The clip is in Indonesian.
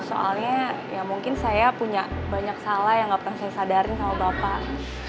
soalnya ya mungkin saya punya banyak salah yang gak pernah saya sadarin sama bapak